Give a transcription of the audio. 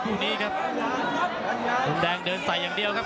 ครองดรงเดงเตียงใส่อย่างเดียวครับ